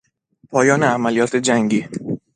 پایان عملیات جنگی